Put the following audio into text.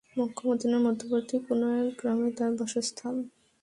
মক্কা-মদীনার মধ্যবর্তী কোন এক গ্রামে তার বাসস্থান।